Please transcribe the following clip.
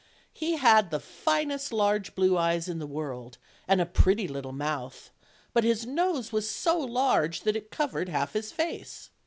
He had tne finest large blue eyes in the world, and a pretty little mouth; but his nose was so large that it cov ered half his face.